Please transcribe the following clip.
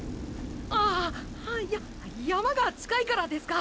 あいや山が近いからですか？